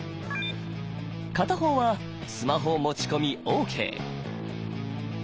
片方はスマホ持ち込みＯＫ。